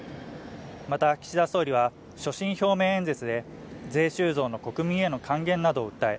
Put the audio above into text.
また岸田総理は所信表明演説で税収増の国民への還元などを訴え